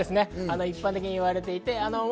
一般的に言われています。